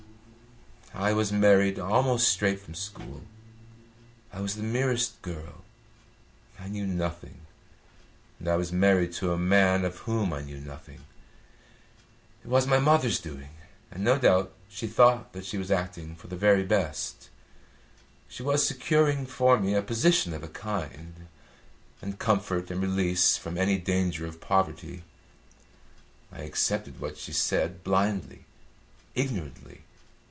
"I was married almost straight from school. I was the merest girl. I knew nothing, and I was married to a man of whom I knew nothing. It was my mother's doing, and no doubt she thought that she was acting for the very best. She was securing for me a position of a kind, and comfort and release from any danger of poverty. I accepted what she said blindly, ignorantly.